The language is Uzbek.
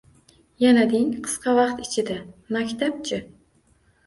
Yana deng, qisqa vaqt ichida. Maktab-chi?